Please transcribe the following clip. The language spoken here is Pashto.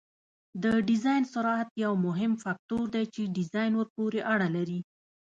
د ډیزاین سرعت یو مهم فکتور دی چې ډیزاین ورپورې اړه لري